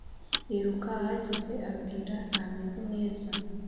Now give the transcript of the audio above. yiruka ahageze abwira ntamez neza